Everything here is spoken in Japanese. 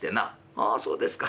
「ああそうですか。